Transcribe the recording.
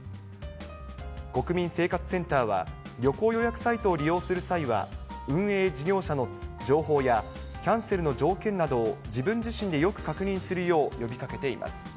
国民生活センターは、旅行予約サイトを利用する際は、運営事業者の情報やキャンセルの条件などを自分自身でよく確認するよう呼びかけています。